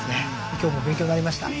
今日も勉強になりました。